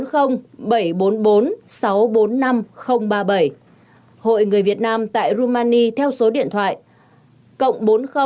hội đoàn người việt nam tại romania theo số điện thoại cộng bốn mươi bảy trăm hai mươi hai bảy trăm tám mươi tám một trăm hai mươi sáu